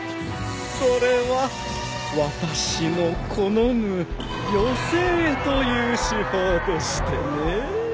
これは私の好む寄せ絵という手法でしてねえ。